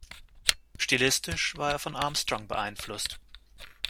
Stilistisch war er von Armstrong beeinflusst.